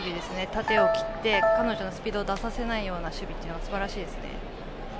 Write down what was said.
縦を切って彼女のスピードを出させないような守備がすばらしいですね。